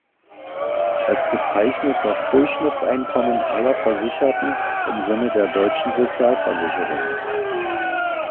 Es bezeichnet das Durchschnittseinkommen aller Versicherten im Sinne der deutschen Sozialversicherung.